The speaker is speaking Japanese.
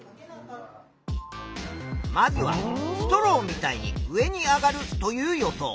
まずは「ストローみたいに上に上がる」という予想。